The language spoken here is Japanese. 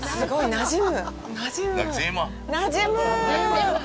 なじむ！！